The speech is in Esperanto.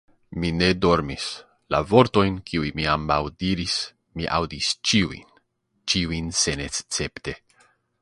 Mi ne dormis; la vortojn, kiujn vi ambaŭ diris, mi aŭdis ĉiujn, ĉiujn senescepte.